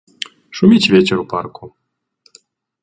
Шуміць вецер у парку.